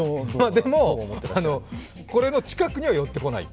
でも、これの近くには寄ってこない。